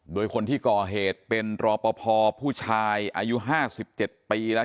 โดยคนที่ก่อเหตุเป็นรอปภผู้ชายอายุ๕๗ปีแล้ว